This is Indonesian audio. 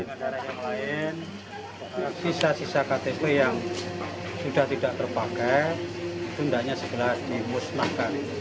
ktp elektronik yang tidak terpakai tundanya segera dimusnahkan